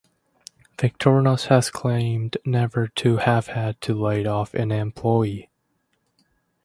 Victorinox has claimed never to have had to lay off an employee.